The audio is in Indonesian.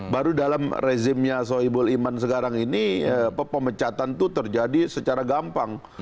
baru dalam rezimnya soebul iman sekarang ini pemecatan itu terjadi secara gampang